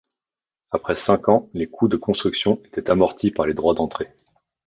Après cinq ans, les coûts de construction étaient amortis par les droits d'entrée.